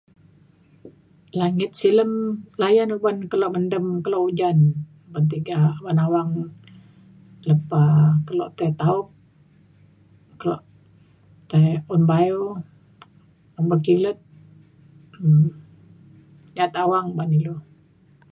langin silem layan uban mendem uban kelo ujan ban tiga ban awang lepa kelo tai taup kelo tai u bayu [unintelligible] kilet kem ja’at awang ba’an ilu